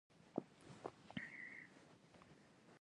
د قيامت د ورځې نومونه